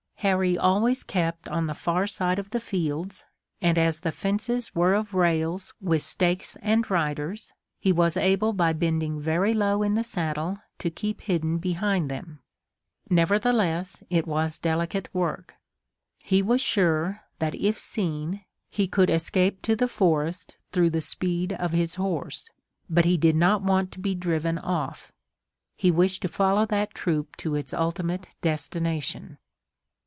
Harry always kept on the far side of the fields, and as the fences were of rails with stakes and riders he was able by bending very low in the saddle to keep hidden behind them. Nevertheless it was delicate work. He was sure that if seen he could escape to the forest through the speed of his horse. But he did not want to be driven off. He wished to follow that troop to its ultimate destination.